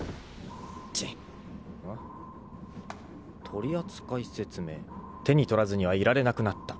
「取扱説明」［手に取らずにはいられなくなった］